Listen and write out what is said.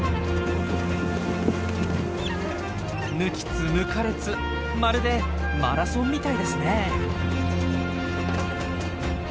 抜きつ抜かれつまるでマラソンみたいですねえ。